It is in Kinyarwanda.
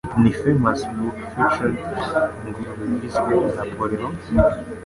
Ni Famous Book Featured ingurube Biswe Napoleon?